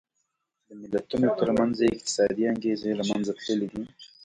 د ملتونو ترمنځ یې اقتصادي انګېزې له منځه تللې دي.